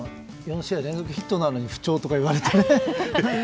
４試合連続ヒットなのに不調とか言われてね。